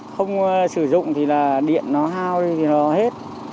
không sử dụng thì là điện nó hao đi thì nó hết